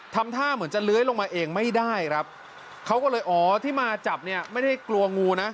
ทำท่าเหมือนจะเลื้อยลงมาเองไม่ได้ครับเขาก็เลยอ๋อที่มาจับเนี่ยไม่ได้กลัวงูนะ